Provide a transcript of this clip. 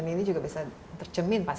di indonesia atau di jakarta